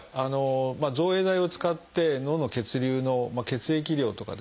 造影剤を使って脳の血流の血液量とかですね